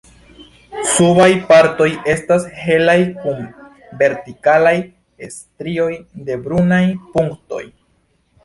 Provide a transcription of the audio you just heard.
Subaj partoj estas helaj kun vertikalaj strioj de brunaj punktoj.